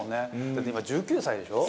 だって今、１９歳でしょ。